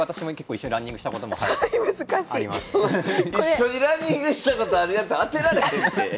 一緒にランニングしたことあるやつ当てられへんて。